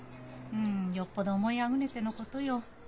うんよっぽど思いあぐねてのことよ。